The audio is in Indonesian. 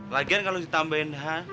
lagian kalau ditambahin h